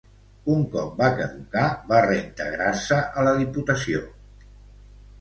Un cop va caducar, va reintegrar-se a la Diputació.